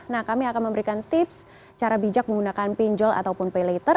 nah kami akan memberikan tips cara bijak menggunakan pinjol ataupun pay later